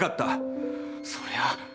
「そりゃ。